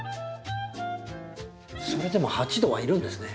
それでも８℃はいるんですね。